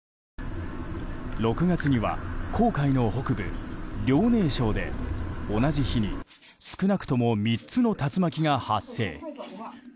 ６月には黄海の北部、遼寧省で同じ日に少なくとも３つの竜巻が発生。